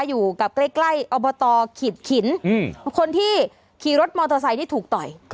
อยู่กับใกล้ใกล้อบตขีดขินคนที่ขี่รถมอเตอร์ไซค์ที่ถูกต่อย